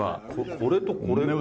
これとこれ。